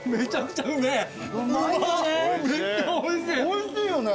おいしいよね。